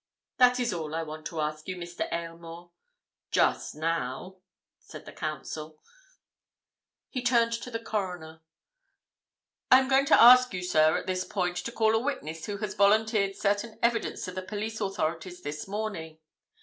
"That is all I want to ask you, Mr. Aylmore—just now," said the Counsel. He turned to the Coroner. "I am going to ask you, sir, at this point to call a witness who has volunteered certain evidence to the police authorities this morning.